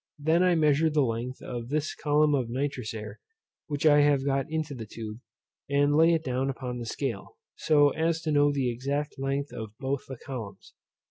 I then measure the length of this column of nitrous air which I have got into the tube, and lay it also down upon the scale, so as to know the exact length of both the columns.